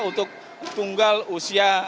untuk tunggal usia